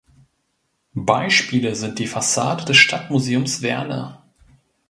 Beispiele sind die Fassade des Stadtmuseums Werne.